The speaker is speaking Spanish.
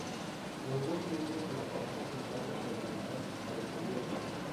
Los dos miembros de la pareja se encargan de alimentar a los polluelos.